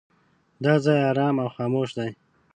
دا ځای ارام او خاموش دی.